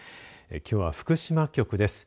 きょうは福島局です。